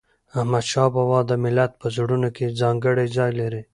احمدشاه بابا د ملت په زړونو کې ځانګړی ځای لري.